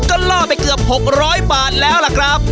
ก็ล่อไปเกือบ๖๐๐บาทแล้วล่ะครับ